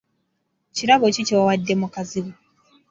Kirabo ki kye wawadde mukazi wo?